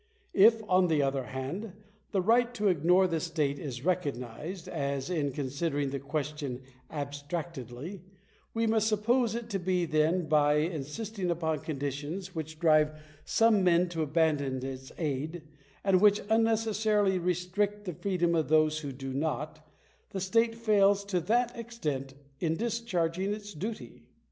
If, on the other hand, the right to ignore the state is recognised, as, in considering the question abstractedly, we must suppose it to be, then, by insisting upon conditions which drive some men to abandon its aid, and which unnecessarily restrict the freedom of those who do not, the state fails to that extent in discharging its duty.